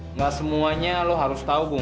enggak semuanya lo harus tahu bung